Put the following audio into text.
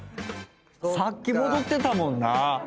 さっき戻ってたもんな。